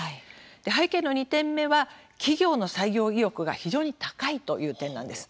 背景の２点目は企業の採用意欲が非常に高いという点なんです。